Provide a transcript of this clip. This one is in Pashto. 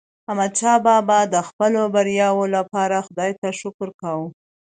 احمدشاه بابا د خپلو بریاوو لپاره خداي ته شکر کاوه.